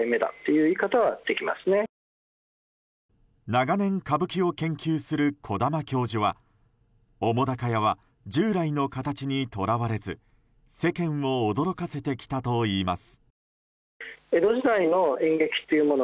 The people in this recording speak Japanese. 長年、歌舞伎を研究する児玉教授は澤瀉屋は従来の形にとらわれず世間を驚かせてきたといいます。